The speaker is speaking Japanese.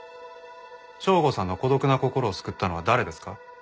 省吾さんの孤独な心を救ったのは誰ですか？